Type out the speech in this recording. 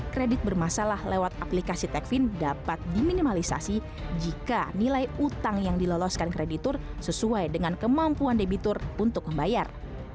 kredit bermasalah lewat aplikasi techfin dapat diminimalisasi jika nilai utang yang diloloskan kreditur sesuai dengan kemampuan debitur untuk membayar